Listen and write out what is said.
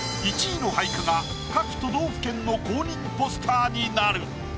１位の俳句が各都道府県の公認ポスターになる。